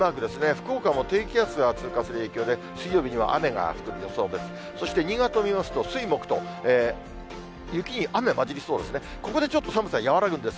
福岡も低気圧が通過する影響で水曜日には雨が降る予想です。